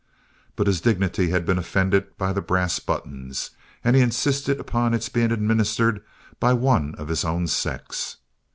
But his dignity had been offended by the brass buttons, and he insisted upon its being administered by one of his own sex.